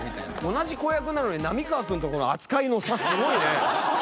同じ子役なのに浪川君と扱いの差すごいね！